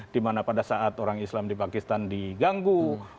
dimana pada saat orang islam di pakistan diganggu